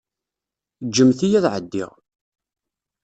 Ǧǧemt-iyi ad ɛeddiɣ.